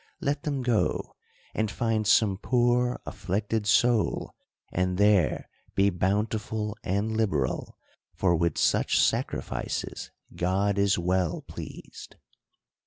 77 let them go, and find some poor afflicted soul, and there be bountiful and liberal ; for with such sacrifices God is well pleased.